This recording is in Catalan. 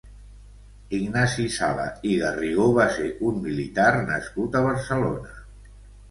Ignasi Sala i Garrigó va ser un militar nascut a Barcelona.